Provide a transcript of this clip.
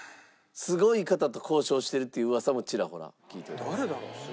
すごい方と交渉してるっていう噂もちらほら聞いております。